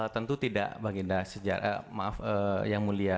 tentu tidak bang genda maaf yang mulia